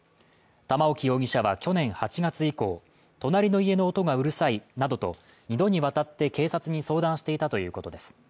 玉置容疑者は去年８月以降、隣の家の音がうるさいなどと２度にわたって警察に相談していたということです。